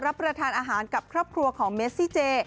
รับประทานอาหารกับครอบครัวของเมซี่เจ